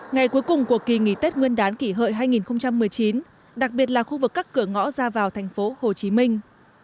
ngày cuối cùng của kỳ nghỉ tết nguyên đán kỷ hợi hai nghìn một mươi chín đặc biệt là khu vực cắt cửa ngõ ra vào thành phố hồ chí minh